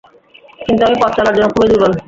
কিন্তু আমি পথ চলার জন্য খুবই দুর্বল।